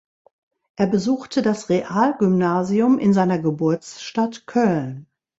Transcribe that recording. Er besuchte das Realgymnasium in seiner Geburtsstadt Köln.